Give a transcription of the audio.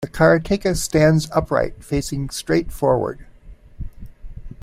The karateka stands upright, facing straight forward.